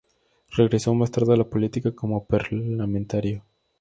Regresó más tarde a la política como parlamentario.